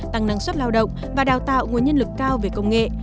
tăng năng suất lao động và đào tạo nguồn nhân lực cao về công nghệ